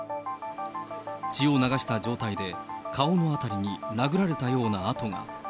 血を流した状態で、顔のあたりに殴られたような痕が。